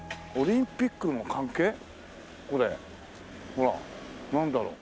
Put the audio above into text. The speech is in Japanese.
ほらなんだろう？